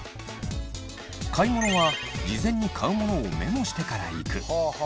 買い物は事前に買うものをメモしてから行く。